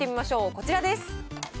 こちらです。